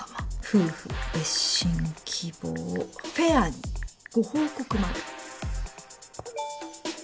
夫婦別寝希望フェアにご報告まで。